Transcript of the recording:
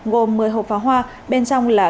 gồm một mươi hộp phá hoa bên trong là